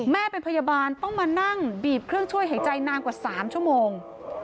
แม่เป็นพยาบาลต้องมานั่งบีบเครื่องช่วยหายใจนานกว่า๓ชั่วโมง